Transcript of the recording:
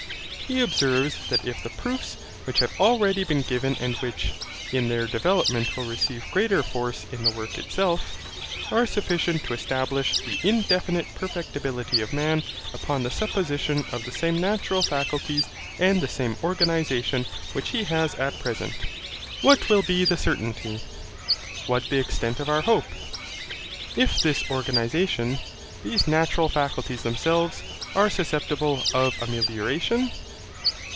He observes that if the proofs which have been already given and which, in their development will receive greater force in the work itself, are sufficient to establish the indefinite perfectibility of man upon the supposition of the same natural faculties and the same organization which he has at present, what will be the certainty, what the extent of our hope, if this organization, these natural faculties themselves, are susceptible of amelioration?